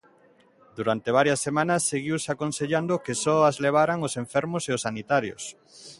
Durante varias semanas seguiuse aconsellando que só as levaran os enfermos e os sanitarios.